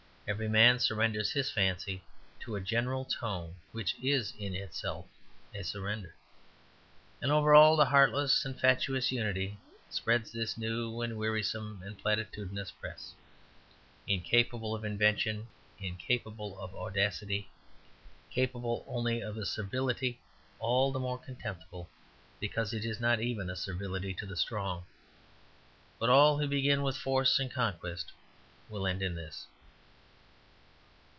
Every man surrenders his fancy to a general tone which is itself a surrender. And over all the heartless and fatuous unity spreads this new and wearisome and platitudinous press, incapable of invention, incapable of audacity, capable only of a servility all the more contemptible because it is not even a servility to the strong. But all who begin with force and conquest will end in this.